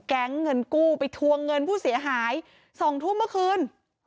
แก๊งเงินกู้ไปทวงเงินผู้เสียหาย๒ทุ่มเมื่อคืน